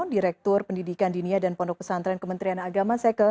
direktur pendidikan dinia dan pondok pesantren kementerian agama